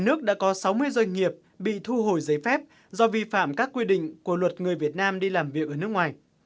nước đã có sáu mươi doanh nghiệp bị thu hồi giấy phép do vi phạm các quy định của luật người việt nam đi làm việc ở nước ngoài